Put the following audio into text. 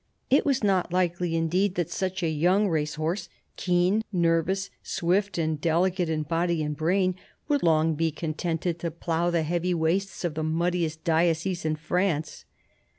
It was not likely indeed that such a young race horse, keen, nervous, swift and delicate in body and brain, would long be contented to plough the heavy wastes of the muddiest diocese in France.